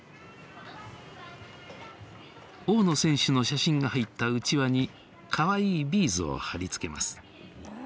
大野選手の写真が入ったうちわにかわいいビーズを貼り付けます。